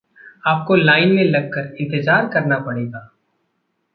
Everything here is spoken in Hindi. आपको लाईन में लगकर इंतेज़ार करना पड़ेगा।